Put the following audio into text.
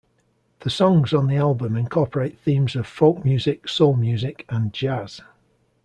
The songs on the album incorporate themes of folk music, soul music, and jazz.